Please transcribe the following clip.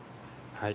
はい。